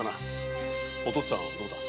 お父っつぁんはどうだ？